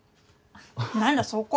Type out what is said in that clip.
何だそこ？